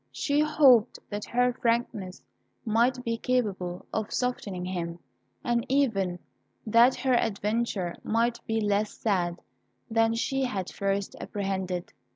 She hoped that her frankness might be capable of softening him, and even that her adventure might be less sad than she had at first apprehended.